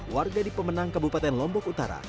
warga di pemenang kabupaten lombok utara